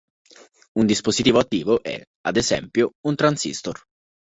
Un dispositivo attivo è, ad esempio, un transistor.